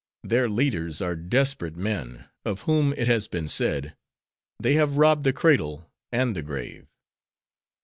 Their leaders are desperate men, of whom it has been said: 'They have robbed the cradle and the grave.'"